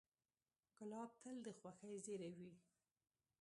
ګلاب تل د خوښۍ زېری وي.